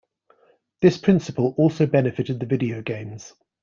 This principle also benefited the video games.